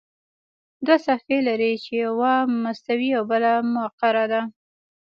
دوه صفحې لري چې یوه مستوي او بله مقعره ده.